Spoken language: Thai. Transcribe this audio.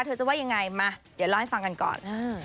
จะว่ายังไงมาเดี๋ยวเล่าให้ฟังกันก่อน